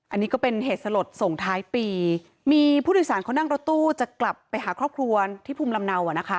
อันนี้ก็เป็นเหตุสลดส่งท้ายปีมีผู้โดยสารเขานั่งรถตู้จะกลับไปหาครอบครัวที่ภูมิลำเนาอ่ะนะคะ